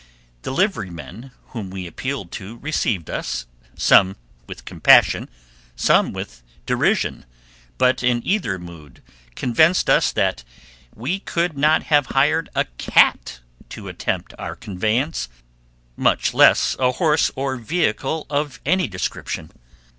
The liverymen whom we appealed to received us, some with compassion, some with derision, but in either mood convinced us that we could not have hired a cat to attempt our conveyance, much less a horse, or vehicle of any description.